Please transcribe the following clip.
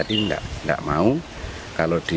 kita harus berusaha untuk memperbaiki rumah ini